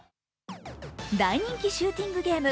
大人気シューティングゲーム